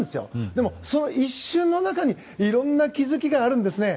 でもその一瞬の中にいろんな気づきがあるんですね。